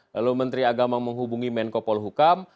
lalu menteri agama menghubungi menkopol hukam